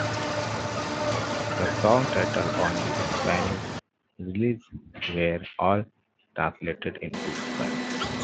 The song titles on the Spanish release were all translated into Spanish.